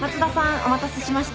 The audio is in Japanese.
お待たせしました。